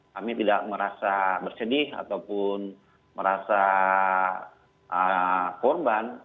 kami tidak merasa bersedih ataupun merasa korban